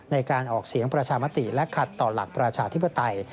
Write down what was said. ในการออกเสียงประชามติและขัดต่อหลักประชาธิปไตย